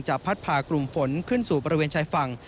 พัดพากลุ่มฝนขึ้นสู่บริเวณชายฝั่ง